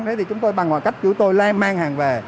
thế thì chúng tôi bằng mọi cách chúng tôi mang hàng về